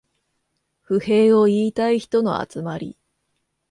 不平を言いたい人の集まり